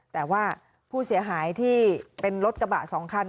แต่ว่าผู้เสียหายที่เป็นรถกระบะ๒คัน